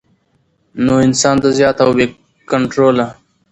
نو انسان د زيات او بې کنټروله